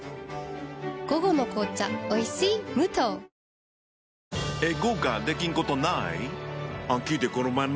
午後の紅茶おいしい無糖あっ！！